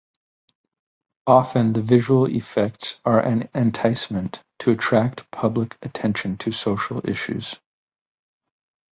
Often, the visual effects are an enticement to attract public attention to social issues.